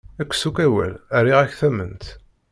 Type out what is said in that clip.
Kkes-ak awal, rriɣ-ak tamment!